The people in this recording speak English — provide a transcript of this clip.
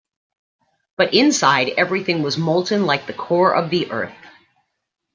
But inside everything was molten like the core of the earth...